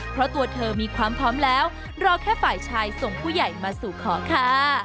เพราะตัวเธอมีความพร้อมแล้วรอแค่ฝ่ายชายส่งผู้ใหญ่มาสู่ขอค่ะ